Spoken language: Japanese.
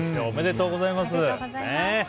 おめでとうございます！